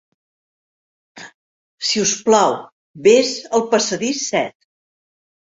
Si us plau vés al passadís set.